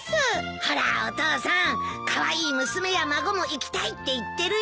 ほらお父さんカワイイ娘や孫も行きたいって言ってるよ。